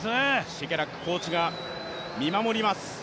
シェケラックコーチが見守ります。